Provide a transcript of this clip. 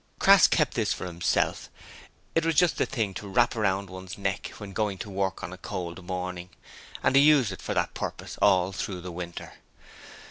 Crass kept this for himself: it was just the thing to wrap round one's neck when going to work on a cold morning, and he used it for that purpose all through the winter.